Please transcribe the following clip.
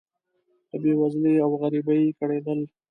له بې وزلۍ او غریبۍ کړېدل.